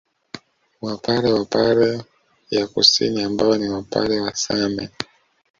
Wapare wa Pare ya Kusini ambao ni Wapare wa Same